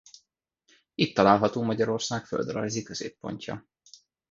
Itt található Magyarország földrajzi középpontja.